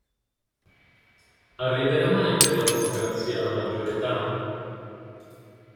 Arriverà mai per la democrazia la maggiore età?